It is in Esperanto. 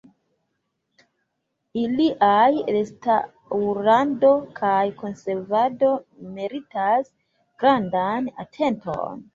Iliaj restaŭrado kaj konservado meritas grandan atenton.